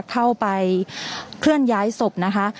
เข้าไปเคลื่อนย้ายศพนะคะ